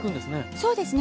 そうですね